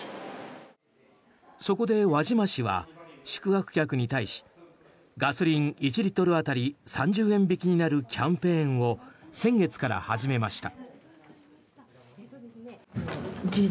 そこで輪島市は宿泊客に対しガソリン１リットル当たり３０円引きになるキャンペーンを先月から始めました。